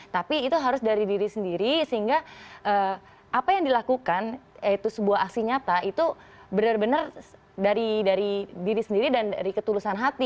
tapi itu harus dari diri sendiri sehingga apa yang dilakukan yaitu sebuah aksi nyata itu benar benar dari diri sendiri dan dari ketulusan hati